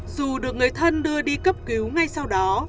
dù được người thân đưa đi cấp cứu ngay sau đó